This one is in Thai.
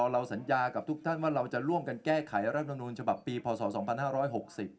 เราสัญญากับทุกท่านว่าเราจะร่วมกันแก้ไขรัฐนุนชปศ๒๕๖๐